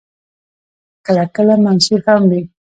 کله کله منثور هم وي.